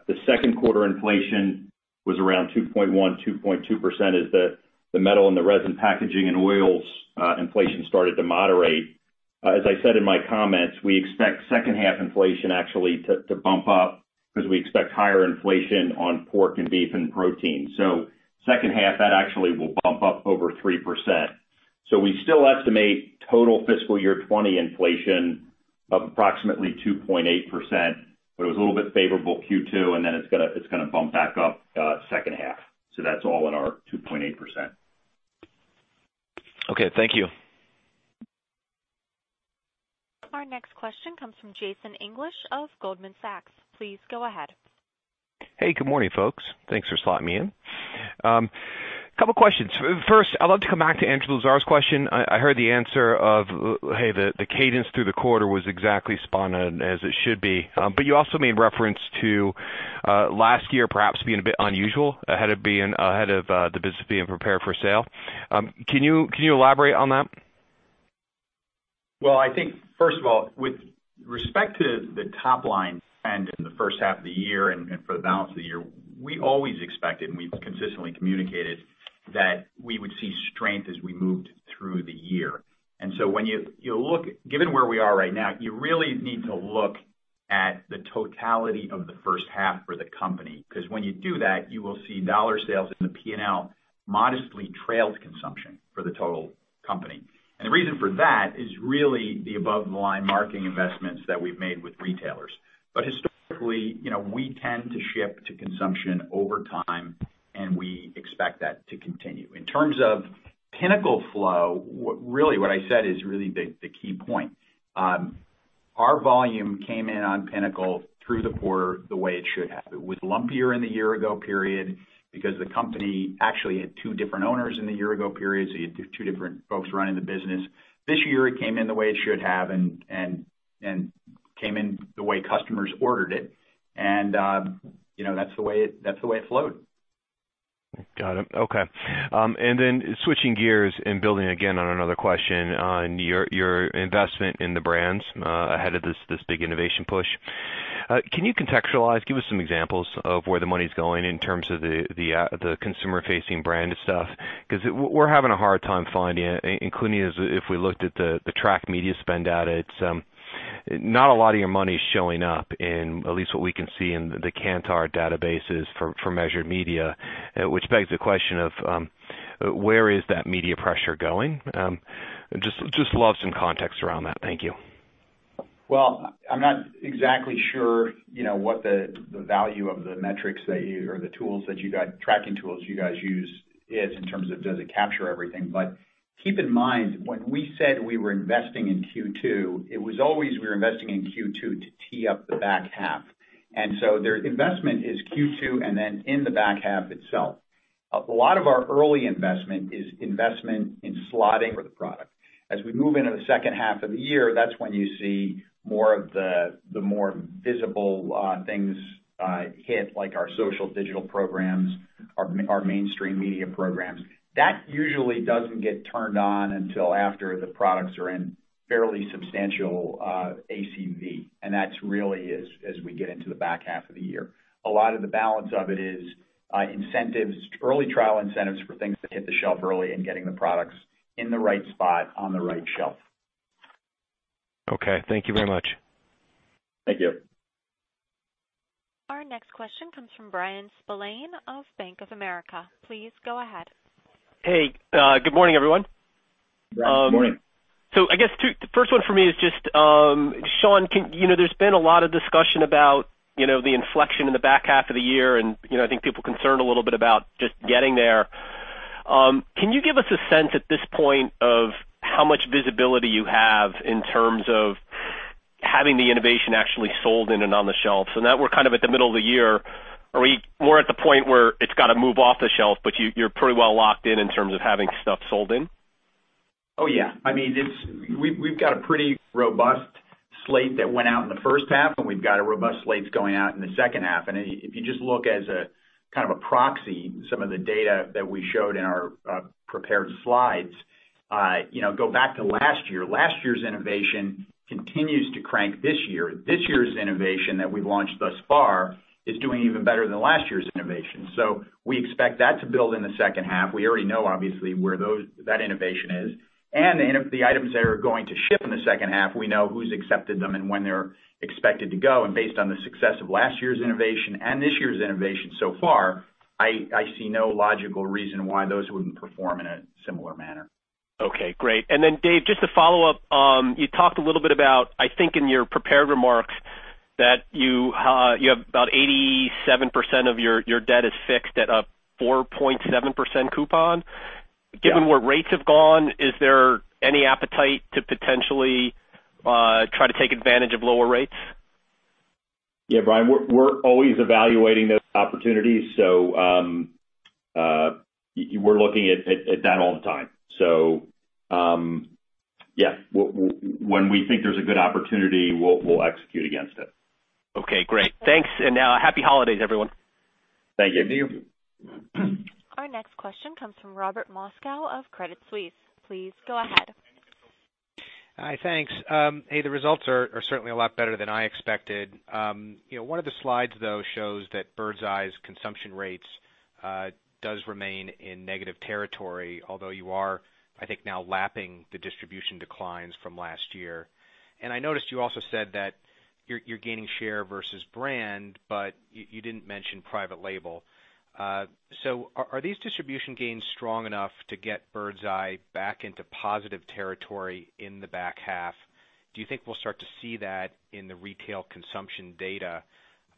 The second quarter inflation was around 2.1%-2.2% as the metal and the resin packaging and oils inflation started to moderate. As I said in my comments, we expect second-half inflation actually to bump up because we expect higher inflation on pork and beef and protein. So second half, that actually will bump up over 3%. So we still estimate total fiscal year 2020 inflation of approximately 2.8%, but it was a little bit favorable Q2, and then it's going to bump back up second half. So that's all in our 2.8%. Okay. Thank you. Our next question comes from Jason English of Goldman Sachs. Please go ahead. Hey, good morning, folks. Thanks for slotting me in. A couple of questions. First, I'd love to come back to Andrew Lazar's question. I heard the answer of, "Hey, the cadence through the quarter was exactly spun as it should be." But you also made reference to last year perhaps being a bit unusual ahead of the business being prepared for sale. Can you elaborate on that? Well, I think, first of all, with respect to the top line spend in the first half of the year and for the balance of the year, we always expected, and we've consistently communicated, that we would see strength as we moved through the year. And so when you look, given where we are right now, you really need to look at the totality of the first half for the company. Because when you do that, you will see dollar sales in the P&L modestly trailed consumption for the total company. And the reason for that is really the above-the-line marketing investments that we've made with retailers. But historically, we tend to shift to consumption over time, and we expect that to continue. In terms of Pinnacle flow, really what I said is really the key point. Our volume came in on Pinnacle through the quarter the way it should have. It was lumpier in the year-ago period because the company actually had two different owners in the year-ago period, so you had two different folks running the business. This year, it came in the way it should have and came in the way customers ordered it, and that's the way it flowed. Got it. Okay. And then switching gears and building again on another question, your investment in the brands ahead of this big innovation push. Can you contextualize, give us some examples of where the money's going in terms of the consumer-facing brand stuff? Because we're having a hard time finding it, including if we looked at the track media spend data. Not a lot of your money is showing up in, at least what we can see in the Kantar databases for measured media, which begs the question of where is that media pressure going? Just love some context around that. Thank you. Well, I'm not exactly sure what the value of the metrics that you or the tools that you guys use is in terms of does it capture everything. But keep in mind, when we said we were investing in Q2, it was always we were investing in Q2 to tee up the back half. And so the investment is in Q2 and then in the back half itself. A lot of our early investment is in slotting for the product. As we move into the second half of the year, that's when you see more of the more visible things hit, like our social digital programs, our mainstream media programs. That usually doesn't get turned on until after the products are in fairly substantial ACV. And that's really as we get into the back half of the year. A lot of the balance of it is incentives, early trial incentives for things that hit the shelf early and getting the products in the right spot on the right shelf. Okay. Thank you very much. Thank you. Our next question comes from Bryan Spillane of Bank of America. Please go ahead. Hey. Good morning, everyone. Good morning. So I guess the first one for me is just, Sean, there's been a lot of discussion about the inflection in the back half of the year, and I think people are concerned a little bit about just getting there. Can you give us a sense at this point of how much visibility you have in terms of having the innovation actually sold in and on the shelf? So now we're kind of at the middle of the year. Are we more at the point where it's got to move off the shelf, but you're pretty well locked in in terms of having stuff sold in? Oh, yeah. I mean, we've got a pretty robust slate that went out in the first half, and we've got robust slates going out in the second half. If you just look as a kind of a proxy, some of the data that we showed in our prepared slides. Go back to last year. Last year's innovation continues to crank this year. This year's innovation that we've launched thus far is doing even better than last year's innovation. So we expect that to build in the second half. We already know, obviously, where that innovation is. And the items that are going to ship in the second half, we know who's accepted them and when they're expected to go. And based on the success of last year's innovation and this year's innovation so far, I see no logical reason why those wouldn't perform in a similar manner. Okay. Great. And then, Dave, just to follow up, you talked a little bit about, I think in your prepared remarks, that you have about 87% of your debt is fixed at a 4.7% coupon. Given where rates have gone, is there any appetite to potentially try to take advantage of lower rates? Yeah, Bryan, we're always evaluating those opportunities, so we're looking at that all the time. So yeah, when we think there's a good opportunity, we'll execute against it. Okay. Great. Thanks. And now, happy holidays, everyone. Thank you. Thank you. Our next question comes from Robert Moskow of Credit Suisse. Please go ahead. Hi. Thanks. Hey, the results are certainly a lot better than I expected. One of the slides, though, shows that Birds Eye's consumption rates does remain in negative territory, although you are, I think, now lapping the distribution declines from last year. I noticed you also said that you're gaining share versus brand, but you didn't mention private label. So are these distribution gains strong enough to get Birds Eye back into positive territory in the back half? Do you think we'll start to see that in the retail consumption data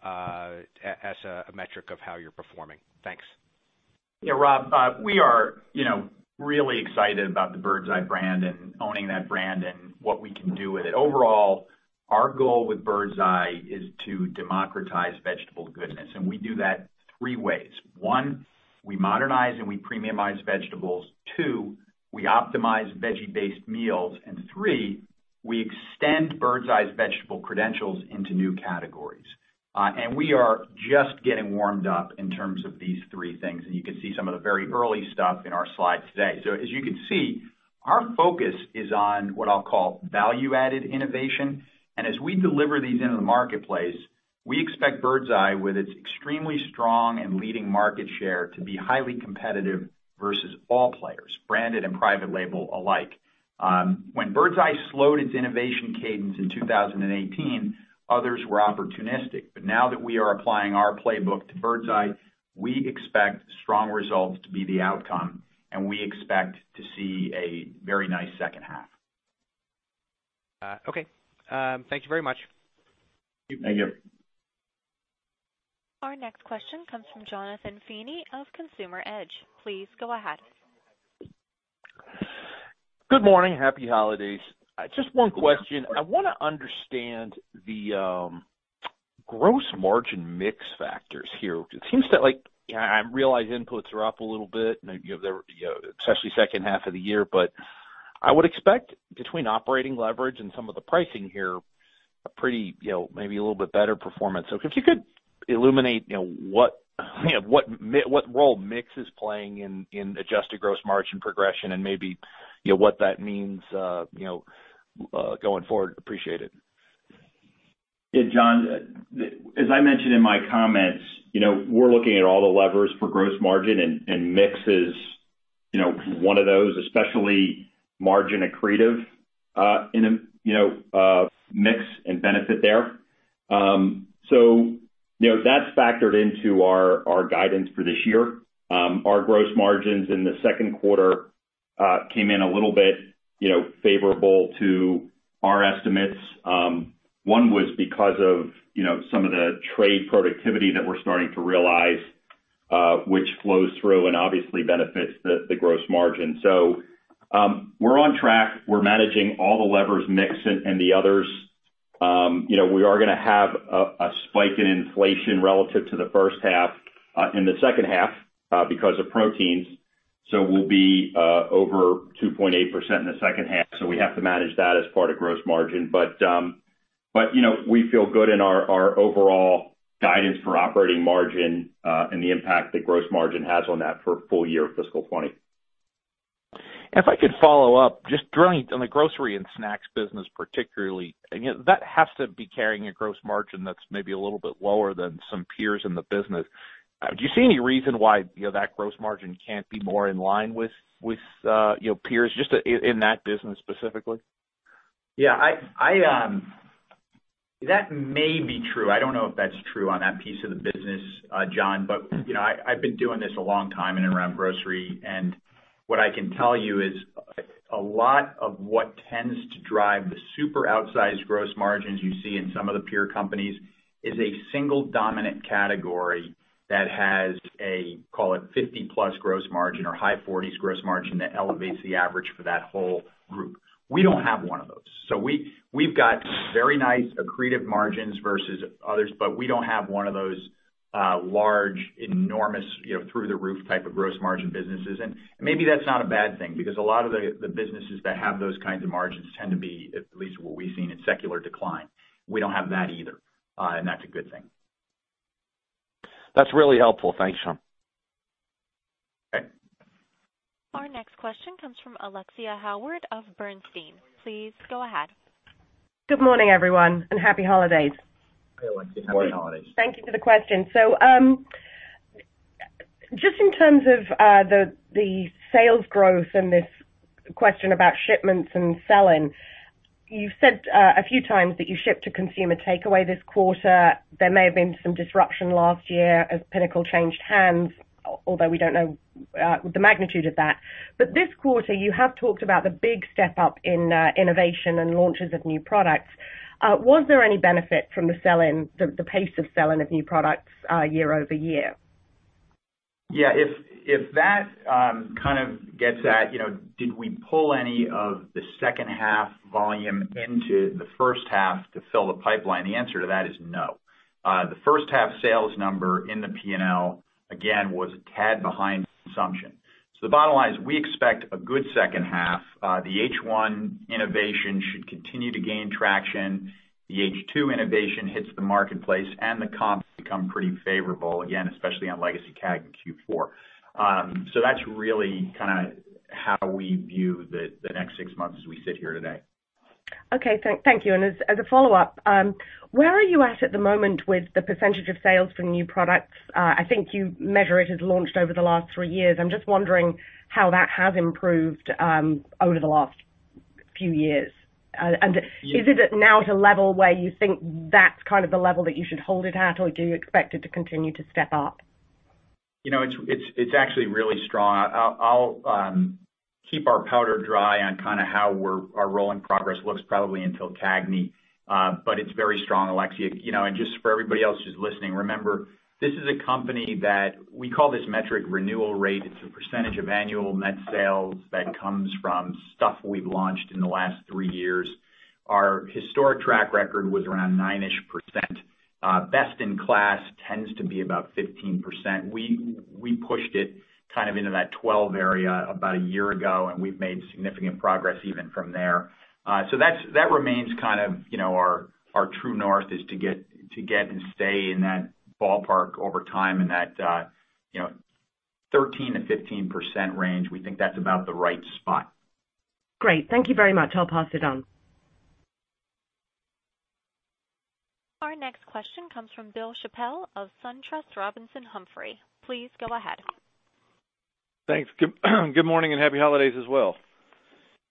as a metric of how you're performing? Thanks. Yeah, Rob, we are really excited about the Birds Eye brand and owning that brand and what we can do with it. Overall, our goal with Birds Eye is to democratize vegetable goodness. We do that three ways. One, we modernize and we premiumize vegetables. Two, we optimize veggie-based meals. Three, we extend Birds Eye's vegetable credentials into new categories. We are just getting warmed up in terms of these three things. You can see some of the very early stuff in our slides today. So as you can see, our focus is on what I'll call value-added innovation. And as we deliver these into the marketplace, we expect Birds Eye, with its extremely strong and leading market share, to be highly competitive versus all players, branded and private label alike. When Birds Eye slowed its innovation cadence in 2018, others were opportunistic. But now that we are applying our playbook to Birds Eye, we expect strong results to be the outcome, and we expect to see a very nice second half. Okay. Thank you very much. Thank you. Our next question comes from Jonathan Feeney of Consumer Edge. Please go ahead. Good morning, happy holidays. Just one question. I want to understand the gross margin mix factors here. It seems that I realize inputs are up a little bit, especially second half of the year, but I would expect between operating leverage and some of the pricing here, maybe a little bit better performance, so if you could illuminate what role mix is playing in adjusted gross margin progression and maybe what that means going forward, appreciate it. Yeah, Jon, as I mentioned in my comments, we're looking at all the levers for gross margin, and mix is one of those, especially margin accretive mix and benefit there, so that's factored into our guidance for this year. Our gross margins in the second quarter came in a little bit favorable to our estimates. One was because of some of the trade productivity that we're starting to realize, which flows through and obviously benefits the gross margin, so we're on track. We're managing all the levers, mix, and the others. We are going to have a spike in inflation relative to the first half in the second half because of proteins. So we'll be over 2.8% in the second half. So we have to manage that as part of gross margin. But we feel good in our overall guidance for operating margin and the impact that gross margin has on that for full year fiscal 2020. If I could follow up, just drawing on the Grocery & Snacks business particularly, that has to be carrying a gross margin that's maybe a little bit lower than some peers in the business. Do you see any reason why that gross margin can't be more in line with peers just in that business specifically? Yeah. That may be true. I don't know if that's true on that piece of the business, Jon, but I've been doing this a long time in and around grocery. And what I can tell you is a lot of what tends to drive the super outsized gross margins you see in some of the peer companies is a single dominant category that has a, call it, 50+ gross margin or high 40s gross margin that elevates the average for that whole group. We don't have one of those. So we've got very nice accretive margins versus others, but we don't have one of those large, enormous, through-the-roof type of gross margin businesses. And maybe that's not a bad thing because a lot of the businesses that have those kinds of margins tend to be, at least what we've seen, in secular decline. We don't have that either. And that's a good thing. That's really helpful. Thanks, Sean. Okay. Our next question comes from Alexia Howard of Bernstein. Please go ahead. Good morning, everyone, and happy holidays. Hi, Alexia. Happy holidays. Thank you for the question. So just in terms of the sales growth and this question about shipments and selling, you've said a few times that you shipped to consumer takeaway this quarter. There may have been some disruption last year as Pinnacle changed hands, although we don't know the magnitude of that. But this quarter, you have talked about the big step up in innovation and launches of new products. Was there any benefit from the selling, the pace of selling of new products year-over-year? Yeah. If that kind of gets at, did we pull any of the second half volume into the first half to fill the pipeline? The answer to that is no. The first half sales number in the P&L, again, was a tad behind consumption. So the bottom line is we expect a good second half. The H1 innovation should continue to gain traction. The H2 innovation hits the marketplace, and the comps become pretty favorable, again, especially on legacy CAG in Q4. So that's really kind of how we view the next six months as we sit here today. Okay. Thank you. And as a follow-up, where are you at at the moment with the percentage of sales for new products? I think you measure it as launched over the last three years. I'm just wondering how that has improved over the last few years. And is it now at a level where you think that's kind of the level that you should hold it at, or do you expect it to continue to step up? It's actually really strong. I'll keep our powder dry on kind of how our rolling progress looks probably until CAGNY. But it's very strong, Alexia. And just for everybody else who's listening, remember, this is a company that we call this metric renewal rate. It's a percentage of annual net sales that comes from stuff we've launched in the last three years. Our historic track record was around 9-ish%. Best in class tends to be about 15%. We pushed it kind of into that 12 area about a year ago, and we've made significant progress even from there. So that remains kind of our true north is to get and stay in that ballpark over time in that 13%-15% range. We think that's about the right spot. Great. Thank you very much. I'll pass it on. Our next question comes from Bill Chappell of SunTrust Robinson Humphrey. Please go ahead. Thanks. Good morning and happy holidays as well.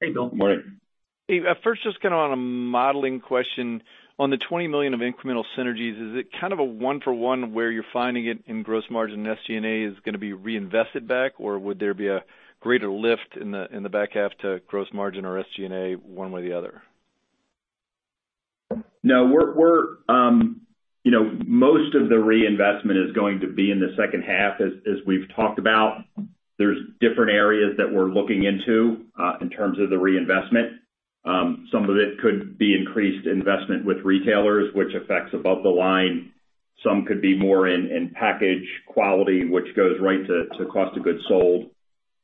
Hey, Bill. Good morning. Hey, first, just kind of on a modeling question. On the $20 million of incremental synergies, is it kind of a one-for-one where you're finding it in gross margin and SG&A is going to be reinvested back, or would there be a greater lift in the back half to gross margin or SG&A one way or the other? No, most of the reinvestment is going to be in the second half, as we've talked about. There's different areas that we're looking into in terms of the reinvestment. Some of it could be increased investment with retailers, which affects above-the-line. Some could be more in package quality, which goes right to cost of goods sold.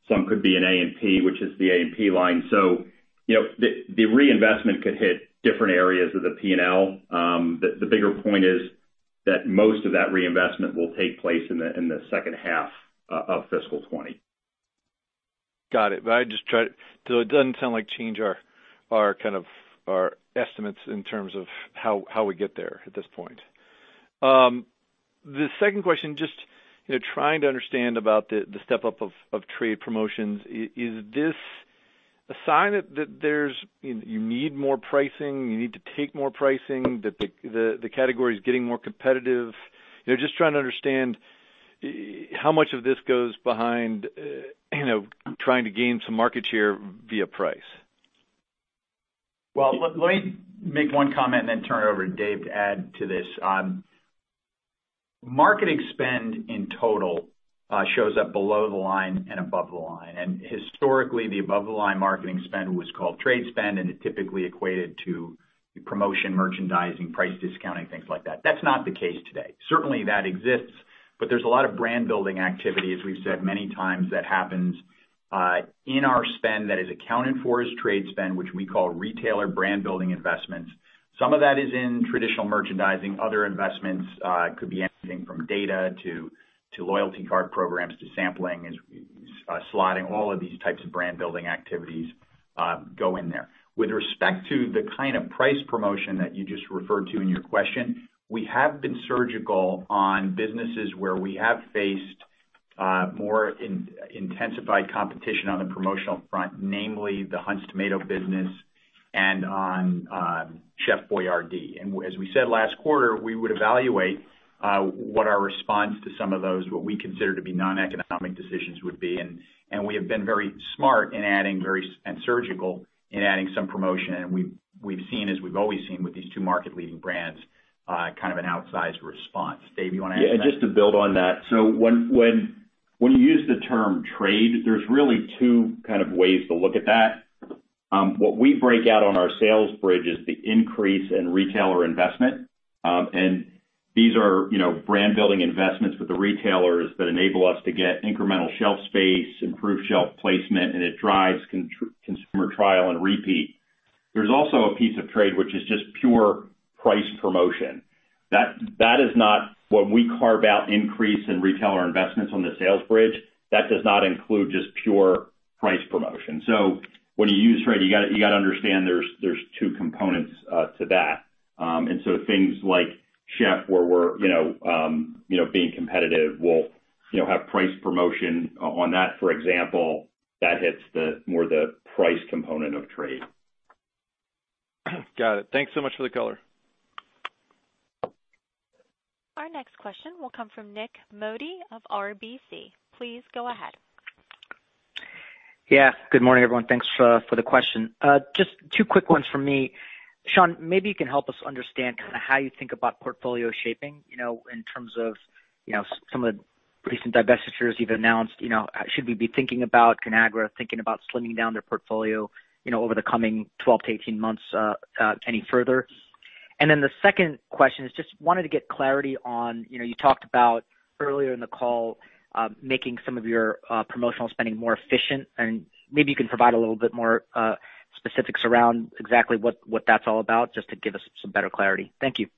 Some could be in A&P, which is the A&P line. So the reinvestment could hit different areas of the P&L. The bigger point is that most of that reinvestment will take place in the second half of fiscal 2020. Got it. But I just try to so it doesn't sound like change our kind of estimates in terms of how we get there at this point. The second question, just trying to understand about the step up of trade promotions. Is this a sign that you need more pricing? You need to take more pricing? That the category is getting more competitive? Just trying to understand how much of this goes behind trying to gain some market share via price. Well, let me make one comment and then turn it over to Dave to add to this. Marketing spend in total shows up below the line and above the line. Historically, the above-the-line marketing spend was called trade spend, and it typically equated to promotion, merchandising, price discounting, things like that. That's not the case today. Certainly, that exists, but there's a lot of brand-building activity, as we've said many times, that happens in our spend that is accounted for as trade spend, which we call retailer brand-building investments. Some of that is in traditional merchandising. Other investments could be anything from data to loyalty card programs to sampling, slotting. All of these types of brand-building activities go in there. With respect to the kind of price promotion that you just referred to in your question, we have been surgical on businesses where we have faced more intensified competition on the promotional front, namely the Hunt's tomato business and on Chef Boyardee. And as we said last quarter, we would evaluate what our response to some of those, what we consider to be non-economic decisions, would be. And we have been very smart and surgical in adding some promotion. And we've seen, as we've always seen with these two market-leading brands, kind of an outsized response. Dave, you want to add something? Yeah, just to build on that. So when you use the term trade, there's really two kind of ways to look at that. What we break out on our sales bridge is the increase in retailer investment. And these are brand-building investments with the retailers that enable us to get incremental shelf space, improved shelf placement, and it drives consumer trial and repeat. There's also a piece of trade which is just pure price promotion. That is not when we carve out increase in retailer investments on the sales bridge. That does not include just pure price promotion. So when you use trade, you got to understand there's two components to that, and so things like Chef, where we're being competitive, we'll have price promotion on that. For example, that hits more the price component of trade. Got it. Thanks so much for the color. Our next question will come from Nik Modi of RBC. Please go ahead. Yeah. Good morning, everyone. Thanks for the question. Just two quick ones from me. Sean, maybe you can help us understand kind of how you think about portfolio shaping in terms of some of the recent divestitures you've announced. Should we be thinking about Conagra thinking about slimming down their portfolio over the coming 12 to 18 months any further? And then the second question is just wanted to get clarity on you talked about earlier in the call making some of your promotional spending more efficient. And maybe you can provide a little bit more specifics around exactly what that's all about, just to give us some better clarity. Thank you.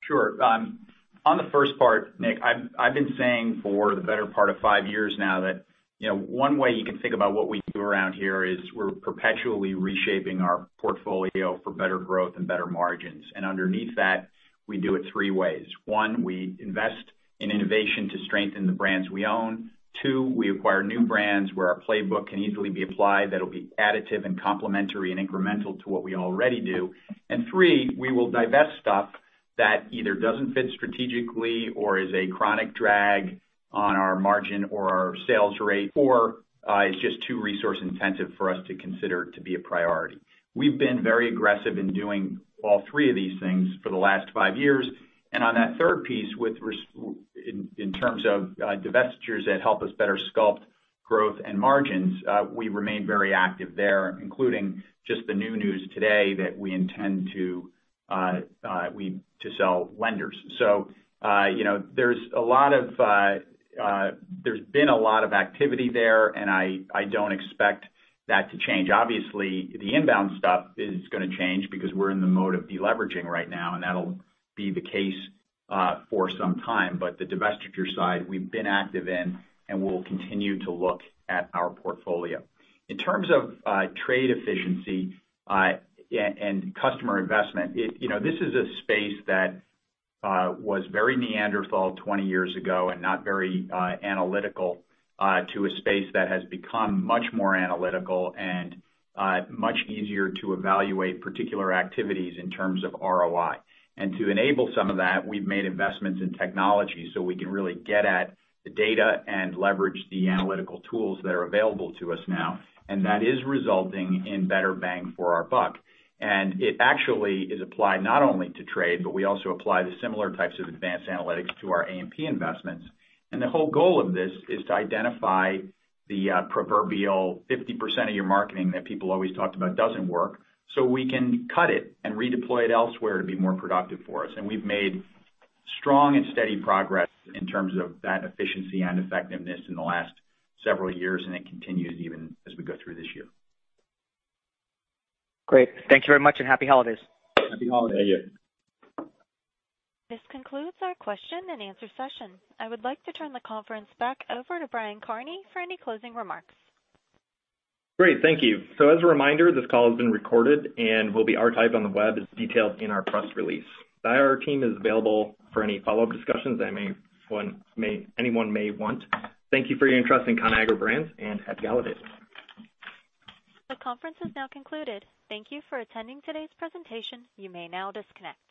Sure. On the first part, Nik, I've been saying for the better part of five years now that one way you can think about what we do around here is we're perpetually reshaping our portfolio for better growth and better margins. And underneath that, we do it three ways. One, we invest in innovation to strengthen the brands we own. Two, we acquire new brands where our playbook can easily be applied that'll be additive and complementary and incremental to what we already do. Three, we will divest stuff that either doesn't fit strategically or is a chronic drag on our margin or our sales rate, or is just too resource-intensive for us to consider to be a priority. We've been very aggressive in doing all three of these things for the last five years. And on that third piece, in terms of divestitures that help us better sculpt growth and margins, we remain very active there, including just the new news today that we intend to sell Lender's, so there's been a lot of activity there, and I don't expect that to change. Obviously, the inbound stuff is going to change because we're in the mode of deleveraging right now, and that'll be the case for some time, but the divestiture side, we've been active in, and we'll continue to look at our portfolio. In terms of trade efficiency and customer investment, this is a space that was very Neanderthal 20 years ago and not very analytical to a space that has become much more analytical and much easier to evaluate particular activities in terms of ROI. And to enable some of that, we've made investments in technology so we can really get at the data and leverage the analytical tools that are available to us now. And that is resulting in better bang for our buck. And it actually is applied not only to trade, but we also apply the similar types of advanced analytics to our A&P investments. And the whole goal of this is to identify the proverbial 50% of your marketing that people always talked about doesn't work, so we can cut it and redeploy it elsewhere to be more productive for us. We've made strong and steady progress in terms of that efficiency and effectiveness in the last several years, and it continues even as we go through this year. Great. Thank you very much and happy holidays. Happy holiday to you Thank you. This concludes our question and answer session. I would like to turn the conference back over to Brian Kearney for any closing remarks. Great. Thank you. As a reminder, this call has been recorded and will be archived on the web as detailed in our press release. The IR team is available for any follow-up discussions that anyone may want. Thank you for your interest in Conagra Brands and happy holidays. The conference is now concluded. Thank you for attending today's presentation. You may now disconnect.